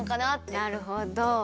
なるほど。